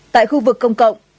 tại khu vực công cộng